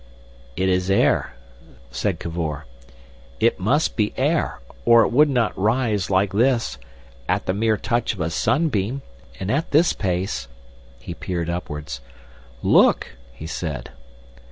"It is air," said Cavor. "It must be air—or it would not rise like this—at the mere touch of a sun beam. And at this pace...." He peered upwards. "Look!" he said.